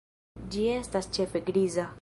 Ĝi estas ĉefe griza.